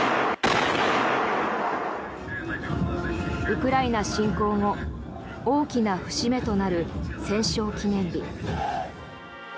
ウクライナ侵攻後大きな節目となる戦勝記念日。